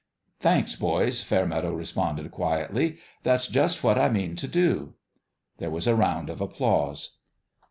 " Thanks, boys," Fairmeadow responded, qui etly. "That's just what I mean to do." There was a round of applause.